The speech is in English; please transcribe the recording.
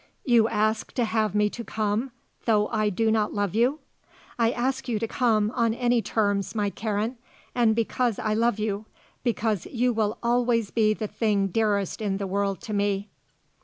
"You ask to have me to come though I do not love you?" "I ask you to come on any terms, my Karen. And because I love you; because you will always be the thing dearest in the world to me."